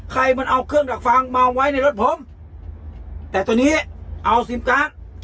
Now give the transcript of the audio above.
ใครมันเอาเครื่องดักฟังมาไว้ในรถผมแต่ตัวนี้เอาซิมการ์ด